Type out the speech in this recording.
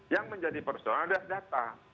yang menjadi persoalan adalah data